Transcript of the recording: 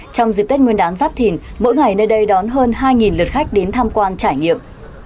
trong dịp tết nguyên đán giáp thìn mỗi ngày nơi đây đón hơn hai lượt khách đến tham quan trải nghiệm